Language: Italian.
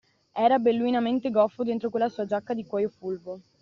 Era belluinamente goffo dentro quella sua giacca di cuoio fulvo.